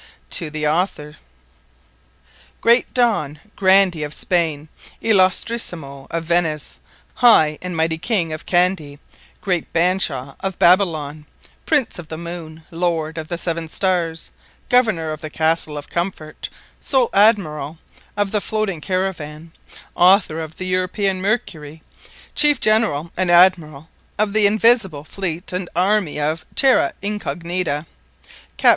To the Author, Great Don, Grandee of Spaine, Illostrissimo of Venice, High and mighty King of Candie, Great Bashaw of Babilon, Prince of the Moone, Lord of the Seven Starres, Governour of the Castle of Comfort, Sole Admirall of the Floating Caravan, Author of Th' Europian Mercury, Chiefe Generall and Admirall of the Invisible Fleet and Army of Terra Incognita, Cap.